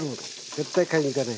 絶対買いに行かない。